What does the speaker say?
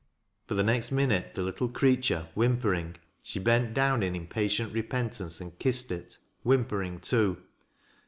But the next minute, the little creature whimperin g she bent down in impatient repentance and kissed it ffhimpering too.